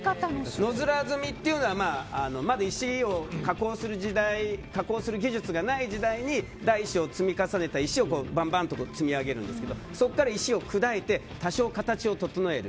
のづら積みというのは石を加工する技術がない時代に大小石をバンバンと積み上げるんですけどそこから石を砕いて多少形を整える。